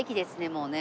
もうね。